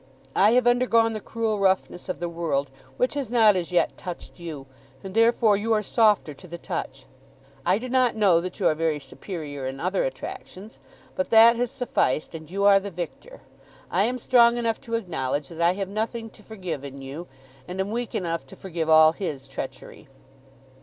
I have undergone the cruel roughness of the world, which has not as yet touched you; and therefore you are softer to the touch. I do not know that you are very superior in other attractions; but that has sufficed, and you are the victor. I am strong enough to acknowledge that I have nothing to forgive in you; and am weak enough to forgive all his treachery."